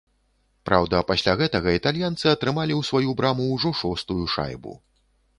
Праўда, пасля гэтага італьянцы атрымалі ў сваю браму ўжо шостую шайбу.